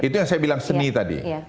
itu yang saya bilang seni tadi